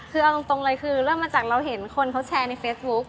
คือเอาตรงเลยคือเริ่มมาจากเราเห็นคนเขาแชร์ในเฟซบุ๊ก